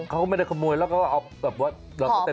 เขาก็ไม่ได้ขโมยแล้วก็เอาแบบว่า